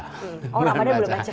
oh ramadan bulan baca